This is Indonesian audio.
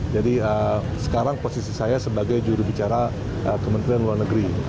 jadi sekarang posisi saya sebagai jurubicara kementerian luar negeri